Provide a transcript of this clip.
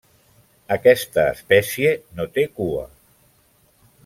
Aquesta espècie no té cua.